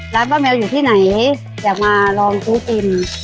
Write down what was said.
ร้านป้าแมวอยู่ที่ไหนอยากมาลองซื้ออิ่ม